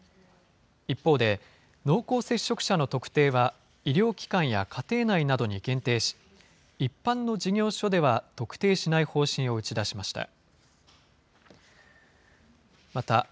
一方で、濃厚接触者の特定は、医療機関や家庭内などに限定し、一般の事業所では特定しない方針を打ち出しました。